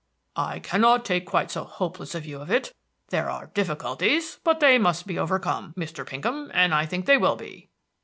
"I cannot take quite so hopeless a view of it. There are difficulties, but they must be overcome, Mr. Pinkham, and I think they will be."